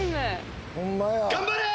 頑張れー！